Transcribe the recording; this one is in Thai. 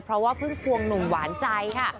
เพราะว่าเพิ่งควงหนุ่มหวานใจค่ะ